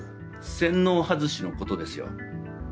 洗脳外しのことですよ。